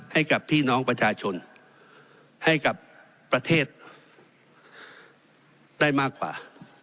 ให้กับพี่น้องประชาชนให้กับประเทศได้มากกว่า